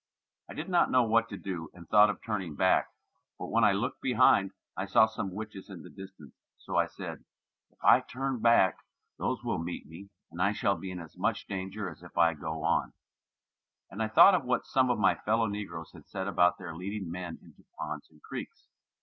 I did not know what to do and thought of turning back, but when I looked behind I saw some witches in the distance, so I said, "If I turn back those will meet me and I shall be in as much danger as if I go on", and I thought of what some of my fellow negroes had said about their leading men into ponds and creeks.